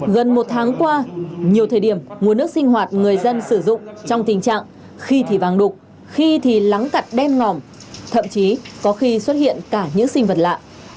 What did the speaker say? gần một tháng qua nhiều thời điểm nguồn nước sinh hoạt người dân sử dụng trong tình trạng khi thì vàng đục khi thì lắng cặt đen ngòm thậm chí có khi xuất hiện cả những sinh vật lạ